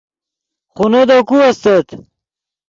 خونو دے کو استت